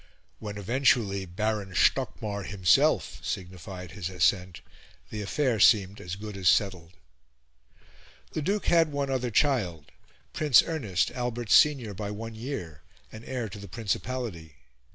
When eventually Baron Stockmar himself signified his assent, the affair seemed as good as settled. The Duke had one other child Prince Ernest, Albert's senior by one year, and heir to the principality.